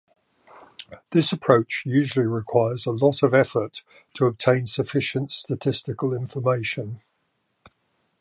This approach usually requires a lot of effort to obtain sufficient statistical information.